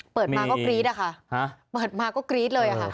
เปิดมาก็กรี๊ดอะค่ะเปิดมาก็กรี๊ดเลยค่ะ